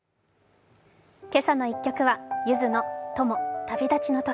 「けさの１曲」はゆずの「友旅立ちの時」。